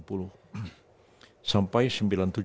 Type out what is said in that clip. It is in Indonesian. pernah naik mulai tahun sembilan puluh